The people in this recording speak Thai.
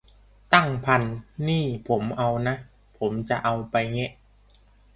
ตั้ง พัน นี่ผมเอานะ ผมจะเอาไปแงะ